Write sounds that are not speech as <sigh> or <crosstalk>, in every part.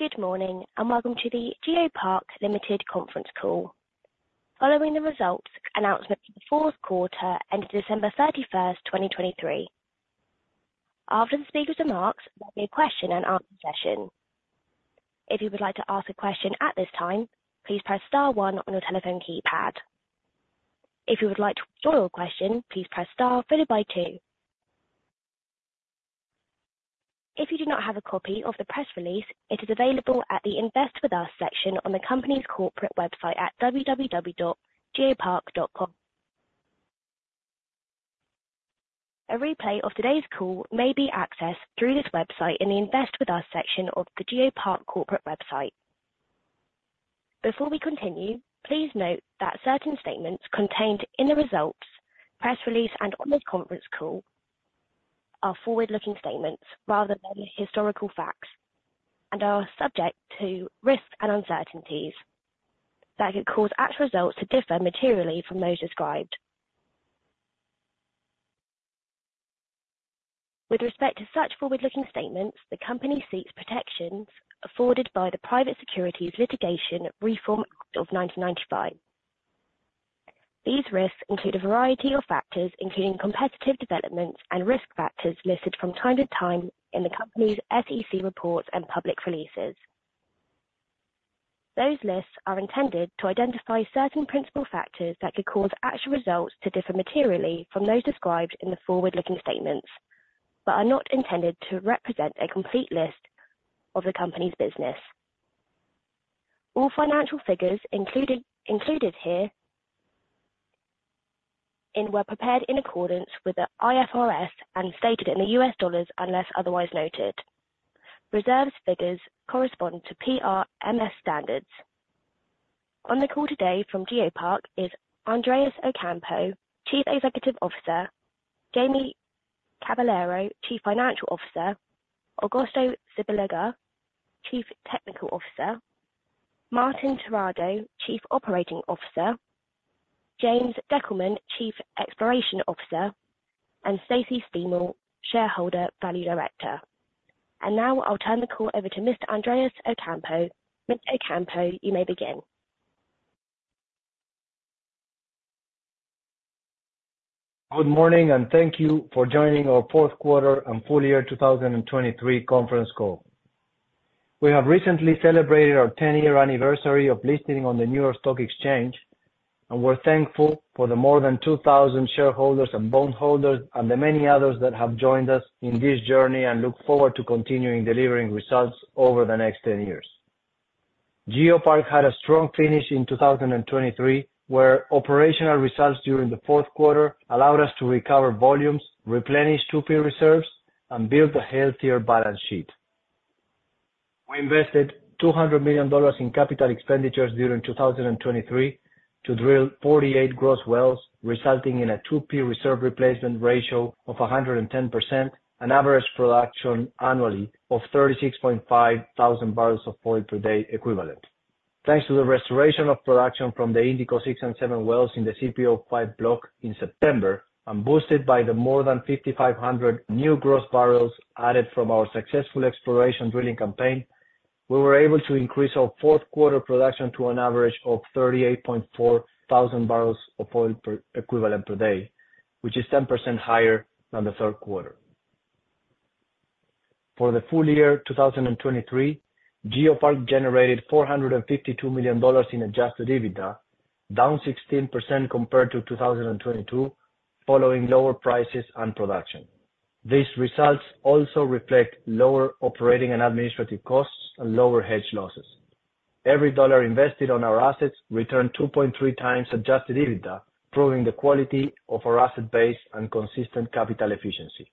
Good morning, and welcome to the GeoPark Limited conference call. Following the results announcement for the fourth quarter ended December 31, 2023. After the speaker's remarks, there'll be a question and answer session. If you would like to ask a question at this time, please press star one on your telephone keypad. If you would like to withdraw your question, please press star followed by two. If you do not have a copy of the press release, it is available at the Invest With Us section on the company's corporate website at www.geopark.com. A replay of today's call may be accessed through this website in the Invest With Us section of the GeoPark corporate website. Before we continue, please note that certain statements contained in the results, press release, and on this conference call are forward-looking statements rather than historical facts, and are subject to risks and uncertainties that could cause actual results to differ materially from those described. With respect to such forward-looking statements, the company seeks protections afforded by the Private Securities Litigation Reform Act of 1995. These risks include a variety of factors, including competitive developments and risk factors listed from time to time in the company's SEC reports and public releases. Those lists are intended to identify certain principal factors that could cause actual results to differ materially from those described in the forward-looking statements, but are not intended to represent a complete list of the company's business. All financial figures included, included here and were prepared in accordance with the IFRS and stated in the U.S. dollars, unless otherwise noted. Reserves figures correspond to PRMS standards. On the call today from GeoPark is Andrés Ocampo, Chief Executive Officer, Jaime Caballero, Chief Financial Officer, Augusto Zubillaga, Chief Technical Officer, Martín Terrado, Chief Operating Officer, James Deckelman, Chief Exploration Officer, and Stacy Steimel, Shareholder Value Director. Now I'll turn the call over to Mr. Andrés Ocampo. Mr. Ocampo, you may begin. Good morning, and thank you for joining our fourth quarter and full year 2023 conference call. We have recently celebrated our 10-year anniversary of listing on the New York Stock Exchange, and we're thankful for the more than 2,000 shareholders and bondholders and the many others that have joined us in this journey and look forward to continuing delivering results over the next 10 years. GeoPark had a strong finish in 2023, where operational results during the fourth quarter allowed us to recover volumes, replenish 2P reserves, and build a healthier balance sheet. We invested $200 million in capital expenditures during 2023 to drill 48 gross wells, resulting in a 2P reserve replacement ratio of 110% and average production annually of 36.5 thousand barrels of oil per day equivalent. Thanks to the restoration of production from the Indico-6 and Indico-7 wells in the CPO-5 block in September, and boosted by the more than 5,500 new gross barrels added from our successful exploration drilling campaign, we were able to increase our fourth quarter production to an average of 38.4 thousand barrels of oil equivalent per day, which is 10% higher than the third quarter. For the full year 2023, GeoPark generated $452 million in adjusted EBITDA, down 16% compared to 2022, following lower prices and production. These results also reflect lower operating and administrative costs and lower hedge losses. Every dollar invested on our assets returned 2.3 times adjusted EBITDA, proving the quality of our asset base and consistent capital efficiency.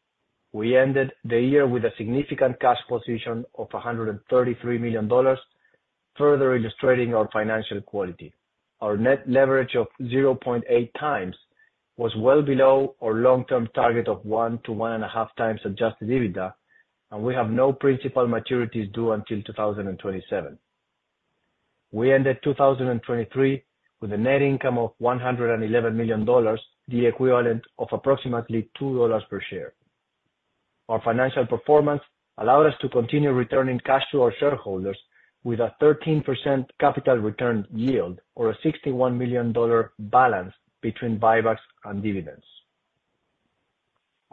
We ended the year with a significant cash position of $133 million, further illustrating our financial quality. Our net leverage of 0.8 times was well below our long-term target of 1-1.5 times adjusted EBITDA, and we have no principal maturities due until 2027. We ended 2023 with a net income of $111 million, the equivalent of approximately $2 per share. Our financial performance allowed us to continue returning cash to our shareholders with a 13% capital return yield or a $61 million balance between buybacks and dividends.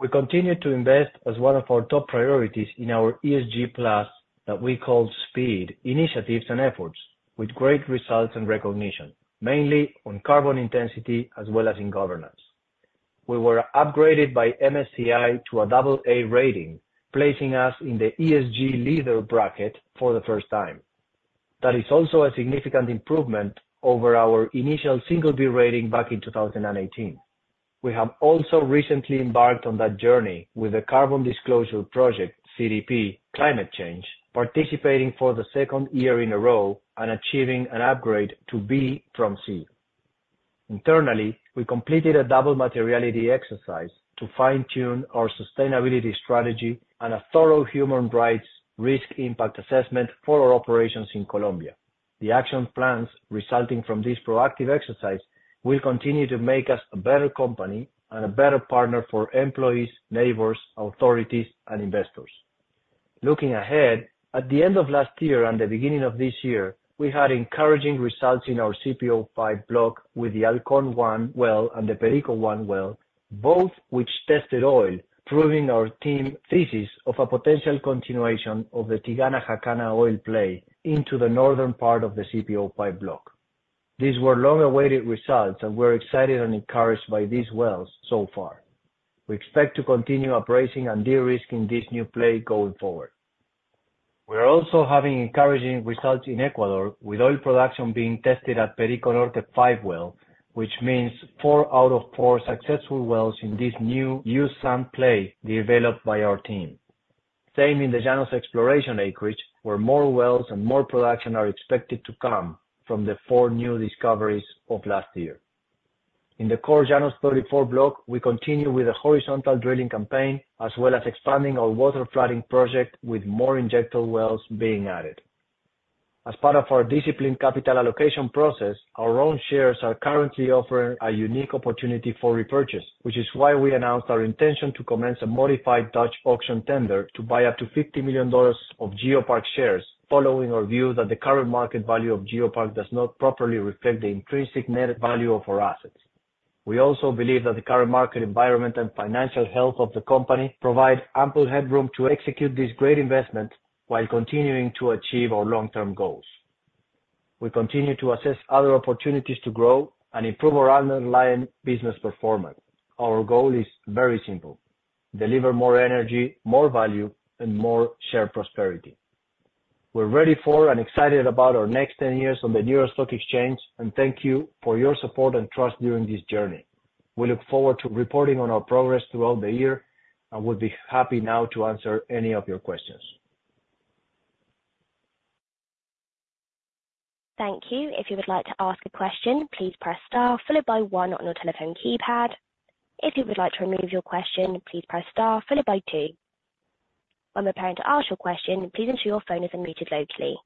We continued to invest as one of our top priorities in our ESG+, that we call SPEED, initiatives and efforts with great results and recognition, mainly on carbon intensity as well as in governance. We were upgraded by MSCI to a double A rating, placing us in the ESG leader bracket for the first time. That is also a significant improvement over our initial single B rating back in 2018. We have also recently embarked on that journey with the Carbon Disclosure Project, CDP, climate change, participating for the second year in a row and achieving an upgrade to B from C. Internally, we completed a double materiality exercise to fine-tune our sustainability strategy and a thorough human rights risk impact assessment for our operations in Colombia. The action plans resulting from this proactive exercise will continue to make us a better company and a better partner for employees, neighbors, authorities, and investors. Looking ahead, at the end of last year and the beginning of this year, we had encouraging results in our CPO-5 block with the Halcon-1 well and the Perico-1 well, both which tested oil, proving our team thesis of a potential continuation of the Tigana-Jacana oil play into the northern part of the CPO-5 block. These were long-awaited results, and we're excited and encouraged by these wells so far. We expect to continue appraising and de-risking this new play going forward. We are also having encouraging results in Ecuador, with oil production being tested at Perico Norte-5 well, which means 4 out of 4 successful wells in this new U-Sand play developed by our team. Same in the Llanos exploration acreage, where more wells and more production are expected to come from the 4 new discoveries of last year. In the core Llanos 34 block, we continue with a horizontal drilling campaign, as well as expanding our water flooding project with more injector wells being added. As part of our disciplined capital allocation process, our own shares are currently offering a unique opportunity for repurchase, which is why we announced our intention to commence a modified Dutch auction tender to buy up to $50 million of GeoPark shares, following our view that the current market value of GeoPark does not properly reflect the intrinsic net value of our assets. We also believe that the current market environment and financial health of the company provide ample headroom to execute this great investment while continuing to achieve our long-term goals. We continue to assess other opportunities to grow and improve our underlying business performance. Our goal is very simple: deliver more energy, more value, and more shared prosperity. We're ready for and excited about our next 10 years on the New York Stock Exchange, and thank you for your support and trust during this journey. We look forward to reporting on our progress throughout the year, and we'll be happy now to answer any of your questions. Thank you. If you would like to ask a question, please press star followed by one on your telephone keypad. If you would like to remove your question, please press star followed by two. When preparing to ask your question, please ensure your phone is unmuted locally.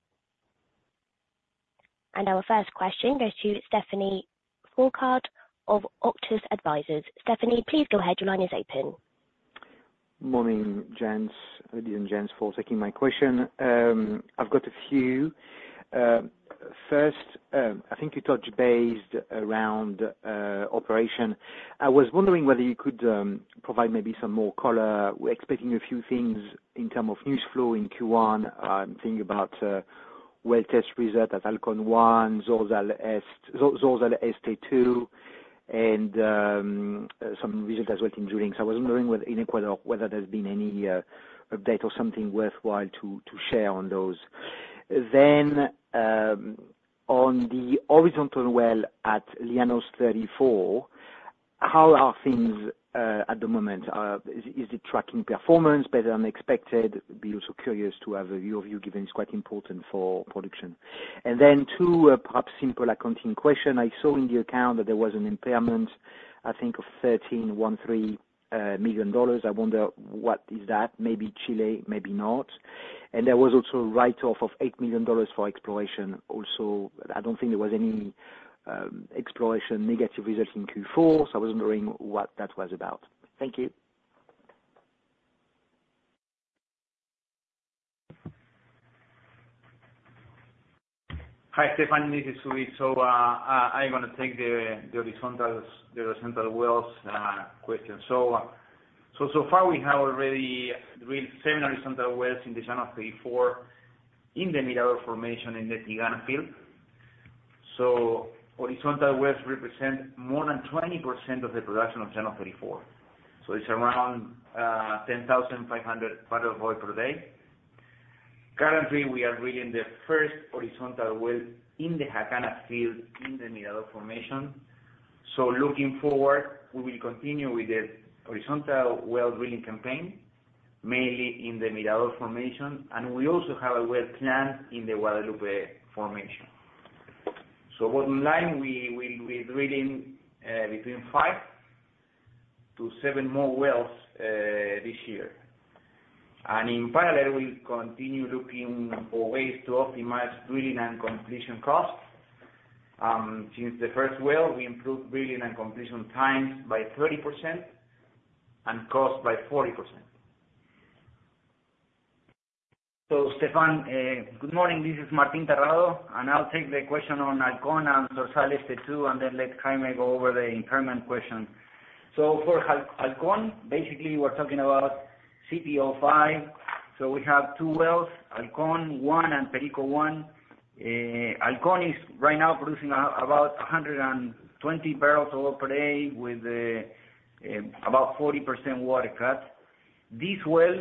Our first question goes to Stephane Foucaud of Auctus Advisors. Stephane, please go ahead. Your line is open. Morning, gents. Ladies and gents, for taking my question. I've got a few. First, I think you touched base around operation. I was wondering whether you could provide maybe some more color. We're expecting a few things in term of news flow in Q1. Thinking about well test result at Halcon-1, Zorzal Este-2, and some results as well in drilling. So I was wondering whether in Ecuador, whether there's been any update or something worthwhile to share on those. Then, on the horizontal well at Llanos 34, how are things at the moment? Is it tracking performance better than expected? Be also curious to have a view of you, given it's quite important for production. Then, too, perhaps simple accounting question: I saw in the account that there was an impairment, I think of $13.13 million. I wonder what is that? Maybe Chile, maybe not. And there was also a write-off of $8 million for exploration also. I don't think there was any exploration negative result in Q4, so I was wondering what that was about. Thank you. Hi, Stefan, this is Luis. So, I'm gonna take the horizontals, the horizontal wells question. So, so far we have already drilled 7 horizontal wells in the Llanos 34, in the Mirador Formation, in the Tigana field. So horizontal wells represent more than 20% of the production of Llanos 34. So it's around 10,500 barrels of oil per day. Currently, we are drilling the first horizontal well in the Jacana field, in the Mirador Formation. So looking forward, we will continue with the horizontal well drilling campaign, mainly in the Mirador Formation, and we also have a well plan in the Guadalupe Formation. So bottom line, we're drilling between 5-7 more wells this year. And in parallel, we'll continue looking for ways to optimize drilling and completion costs. Since the first well, we improved drilling and completion times by 30% and cost by 40%. So, Stefan, good morning, this is Martín Terrado, and I'll take the question on Halcon and Zorzal Este-2, and then let Jaime go over the impairment question. So for Halcon, basically we're talking about CPO-5. So we have two wells, Halcon-1 and Perico-1. Halcon is right now producing about 120 barrels of oil per day with about 40% water cut. This well,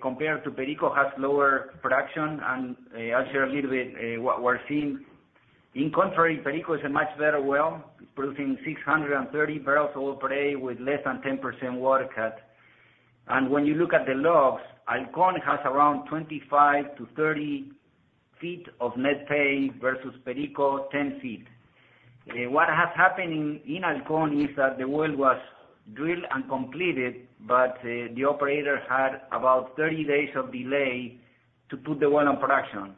compared to Perico, has lower production, and I'll share a little bit what we're seeing. In contrary, Perico is a much better well, producing 630 barrels of oil per day with less than 10% water cut. And when you look at the logs, Halcon has around 25-30 feet of net pay versus Perico, 10 feet. What has happened in Halcon is that the well was drilled and completed, but the operator had about 30 days of delay to put the well on production.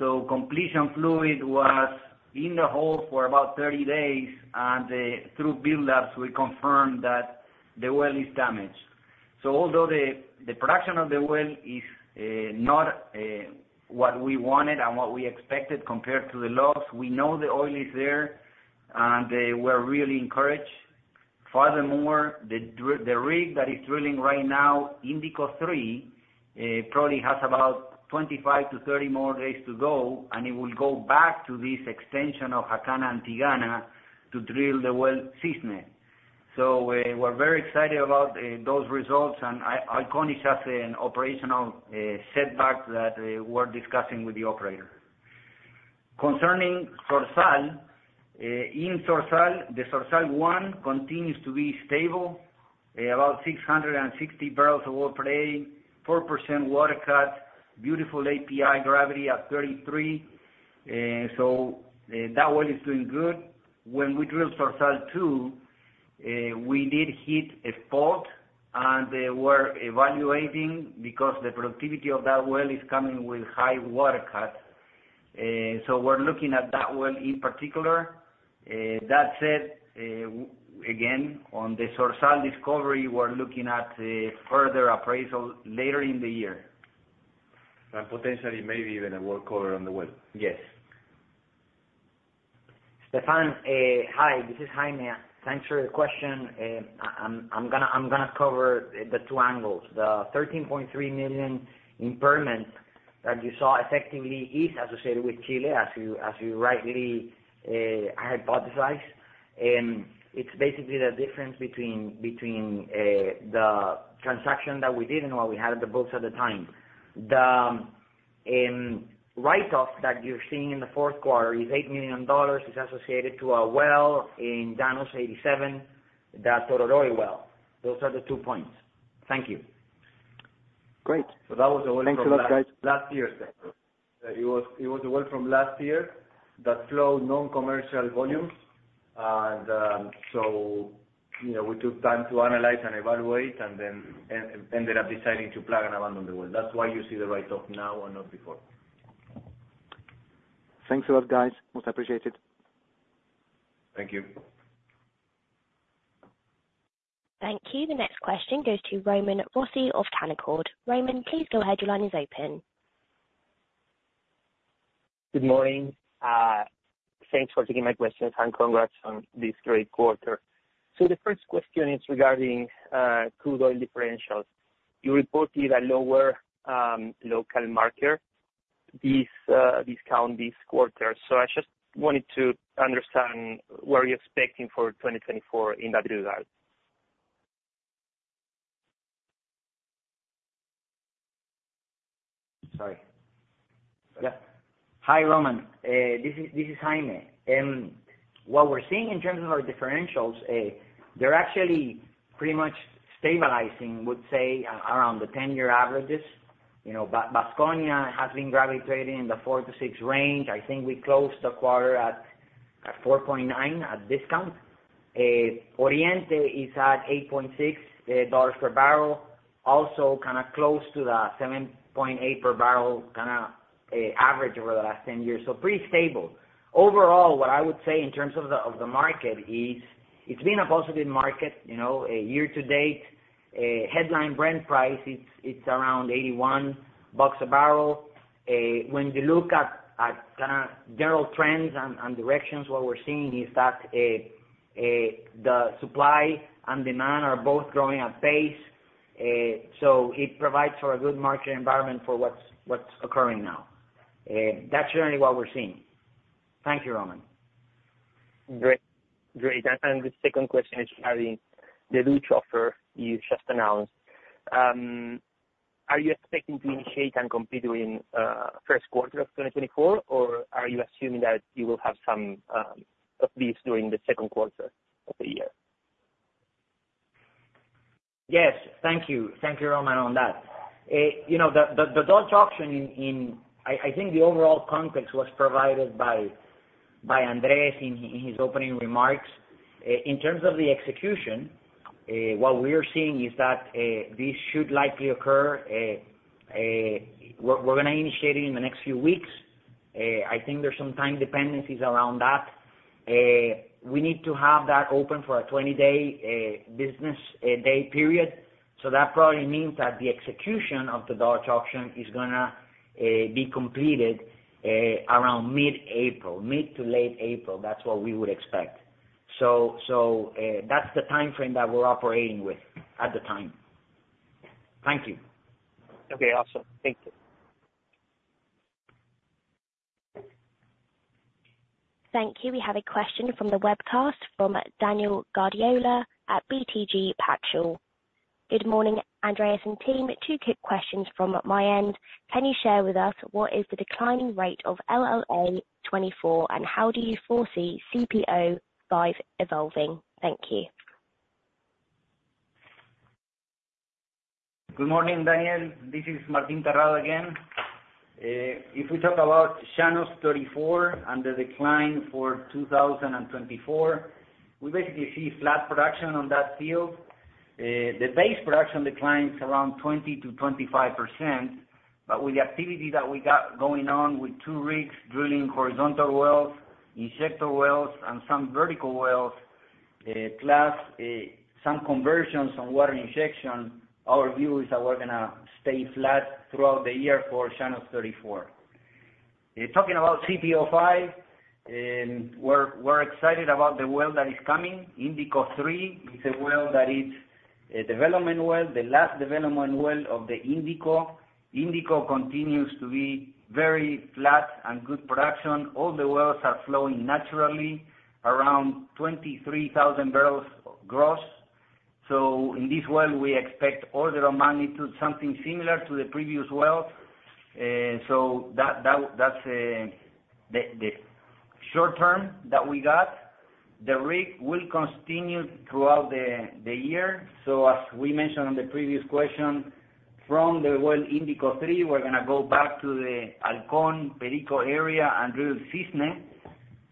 So completion fluid was in the hole for about 30 days, and through build-ups, we confirmed that the well is damaged. So although the production of the well is not what we wanted and what we expected compared to the logs, we know the oil is there, and we're really encouraged. Furthermore, the rig that is drilling right now, Indico-3, probably has about 25-30 more days to go, and it will go back to this extension of Jacana-Tigana to drill the well Cisne. So we're very excited about those results, and Halcon is just an operational setback that we're discussing with the operator. Concerning Zorzal. In Zorzal, the Zorzal-1 continues to be stable, about 660 barrels of oil per day, 4% water cut, beautiful API gravity at 33. So, that well is doing good. When we drilled Zorzal-2, we did hit a fault, and they were evaluating because the productivity of that well is coming with high water cut. So we're looking at that well in particular. That said, again, on the Zorzal discovery, we're looking at further appraisal later in the year. Potentially, maybe even a workover on the well. Yes. Stefan, hi, this is. <inaudible> Thanks for the question. I'm gonna cover the two angles. The $13.3 million impairment that you saw effectively is associated with Chile, as you rightly hypothesized. It's basically the difference between the transaction that we did and what we had on the books at the time. The write-off that you're seeing in the fourth quarter is $8 million, is associated to a well in Llanos 87, the Tororoi well. Those are the two points. Thank you. Great. So that was the well from last- Thanks a lot, guys. Last year's effort. It was a well from last year that flowed non-commercial volumes. And, so, you know, we took time to analyze and evaluate and then ended up deciding to plug and abandon the well. That's why you see the write-off now and not before. Thanks a lot, guys. Much appreciated. Thank you. Thank you. The next question goes to Román Rossi of Canaccord. Román, please go ahead. Your line is open. Good morning. Thanks for taking my questions, and congrats on this great quarter. The first question is regarding crude oil differentials. You reported a lower local marker, this discount this quarter. I just wanted to understand, what are you expecting for 2024 in that regard? Sorry. Yeah. Hi, Roman, this is. <inaudible> What we're seeing in terms of our differentials, they're actually pretty much stabilizing, I would say, around the 10-year averages. You know, Vasconia has been gravitating in the 4-6 range. I think we closed the quarter at 4.9 discount. Oriente is at $8.6 per barrel, also kind of close to the $7.8 per barrel kind of average over the last 10 years. So pretty stable. Overall, what I would say in terms of the market is, it's been a positive market, you know, year to date. Headline Brent price, it's around $81 a barrel. When you look at kind of general trends and directions, what we're seeing is that the supply and demand are both growing at pace. So it provides for a good market environment for what's occurring now. That's generally what we're seeing. Thank you, Román. Great. Great. And the second question is regarding the Dutch auction you just announced. Are you expecting to initiate and complete during first quarter of 2024, or are you assuming that you will have some at least during the second quarter of the year? Yes. Thank you. Thank you, Román, on that. You know, the Dutch auction in... I think the overall context was provided by Andrés in his opening remarks. In terms of the execution, what we are seeing is that this should likely occur. We're gonna initiate it in the next few weeks. I think there's some time dependencies around that. We need to have that open for a 20-day business day period, so that probably means that the execution of the Dutch auction is gonna be completed around mid-April, mid to late April. That's what we would expect. That's the timeframe that we're operating with at the time. Thank you. Okay, awesome. Thank you. Thank you. We have a question from the webcast from Daniel Guardiola at BTG Pactual. Good morning, Andrés and team. Two quick questions from my end. Can you share with us what is the declining rate of LLA 34, and how do you foresee CPO-5 evolving? Thank you. ...Good morning, Daniel. This is Martín Terrado again. If we talk about Llanos 34 and the decline for 2024, we basically see flat production on that field. The base production declines around 20%-25%, but with the activity that we got going on with 2 rigs drilling horizontal wells, injector wells, and some vertical wells, plus some conversions on water injection, our view is that we're gonna stay flat throughout the year for Llanos 34. Talking about CPO-5, we're excited about the well that is coming. Indico-3 is a well that is a development well, the last development well of the Indico. Indico continues to be very flat and good production. All the wells are flowing naturally, around 23,000 barrels gross. So in this well, we expect order of magnitude, something similar to the previous well. So that's the short term that we got. The rig will continue throughout the year. So as we mentioned on the previous question, from the well Indico-3, we're gonna go back to the Halcon-Perico area and drill Cisne.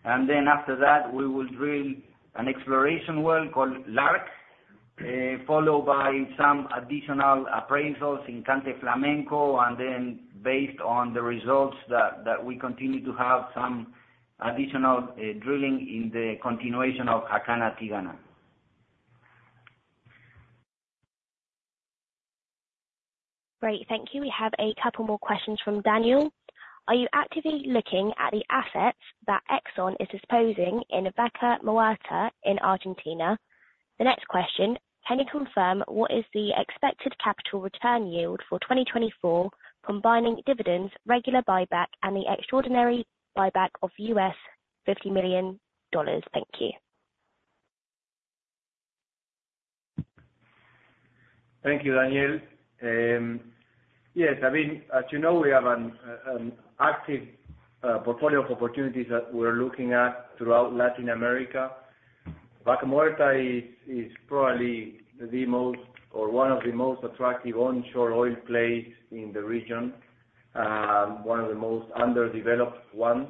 And then after that, we will drill an exploration well called Lark, followed by some additional appraisals in Cante Flamenco, and then based on the results that we continue to have some additional drilling in the continuation of Jacana-Tigana. Great, thank you. We have a couple more questions from Daniel. Are you actively looking at the assets that Exxon is disposing in Vaca Muerta in Argentina? The next question: can you confirm what is the expected capital return yield for 2024, combining dividends, regular buyback, and the extraordinary buyback of $50 million? Thank you. Thank you, Daniel. Yes, I mean, as you know, we have an active portfolio of opportunities that we're looking at throughout Latin America. Vaca Muerta is probably the most or one of the most attractive onshore oil plays in the region, one of the most underdeveloped ones.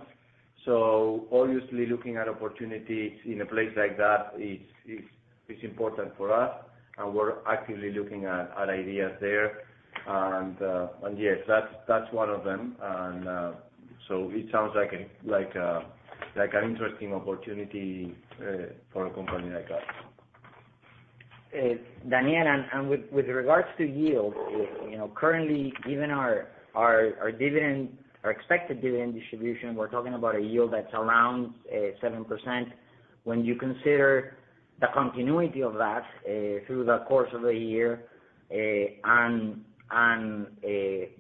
So obviously, looking at opportunities in a place like that is important for us, and we're actively looking at ideas there. And yes, that's one of them. And so it sounds like a like an interesting opportunity for a company like us. Daniel, with regards to yield, you know, currently, given our dividend, our expected dividend distribution, we're talking about a yield that's around 7%. When you consider the continuity of that through the course of the year and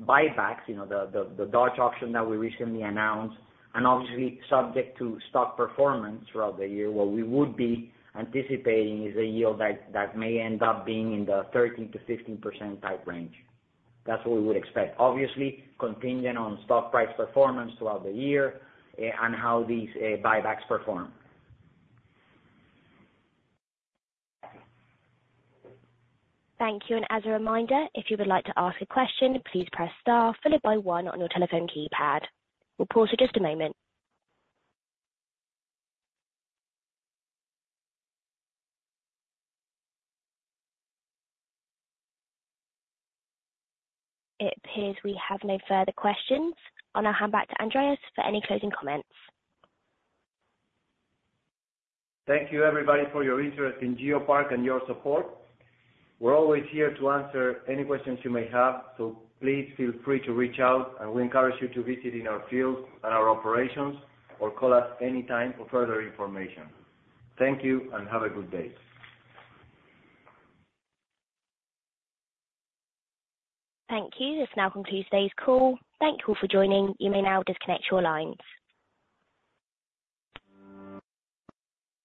buybacks, you know, the Dutch auction that we recently announced, and obviously subject to stock performance throughout the year, what we would be anticipating is a yield that may end up being in the 13%-15% type range. That's what we would expect. Obviously, contingent on stock price performance throughout the year and how these buybacks perform. Thank you. As a reminder, if you would like to ask a question, please press star followed by one on your telephone keypad. We'll pause for just a moment. It appears we have no further questions. I'll now hand back to Andrés for any closing comments. Thank you, everybody, for your interest in GeoPark and your support. We're always here to answer any questions you may have, so please feel free to reach out, and we encourage you to visit in our fields and our operations, or call us anytime for further information. Thank you, and have a good day. Thank you. This now concludes today's call. Thank you all for joining. You may now disconnect your lines.